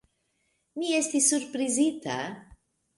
Mi estis surprizita.